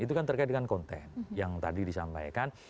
itu kan terkait dengan konten yang tadi disampaikan